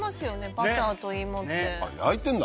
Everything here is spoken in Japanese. バターと芋って。